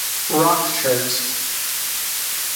Rock Chart.